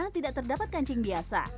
tidak terdapat kancing biasa